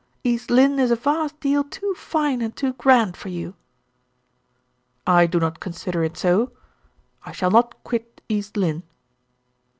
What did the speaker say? East Lynne is a vast deal too fine and too grand for you." "I do not consider it so. I shall not quit East Lynne."